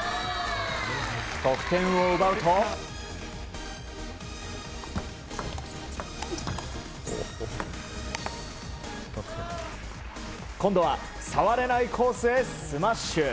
得点を奪うと、今度は触れないコースへスマッシュ。